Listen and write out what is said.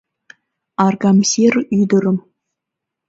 Аргамсир ӱдырым